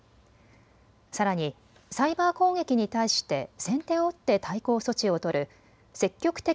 さらにサイバー攻撃に対して先手を打って対抗措置を取る積極的